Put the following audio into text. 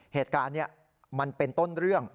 เหตุการณ์นี้มันเป็นต้นเรื่อง